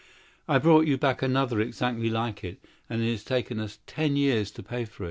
"I brought you back another exactly like it. And it has taken us ten years to pay for it.